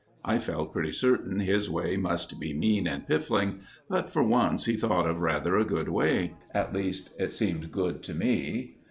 I felt pretty certain his way must be mean and piffling; but for once he thought of rather a good way. At least, it seemed good to me.